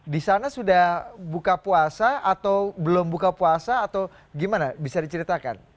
di sana sudah buka puasa atau belum buka puasa atau gimana bisa diceritakan